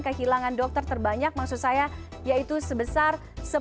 kehilangan dokter terbanyak maksud saya yaitu sebesar